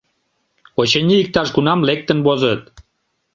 Очыни, иктаж-кунам лектын возыт.